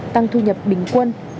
tăng thu nhập bình quân